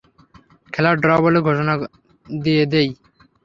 খেলা ড্র বলে ঘোষণা দিয়ে দেই?